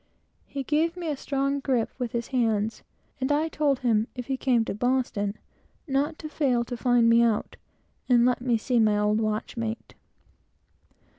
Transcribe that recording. He gave me a strong gripe with his hand; and I told him, if he came to Boston again, not to fail to find me out, and let me see an old watchmate.